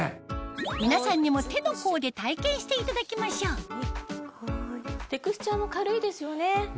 皆さんにも手の甲で体験していただきましょうテクスチャーも軽いですよね。